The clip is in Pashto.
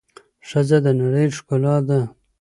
ښځه د د نړۍ ښکلا ده.